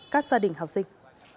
các gia đình học sinh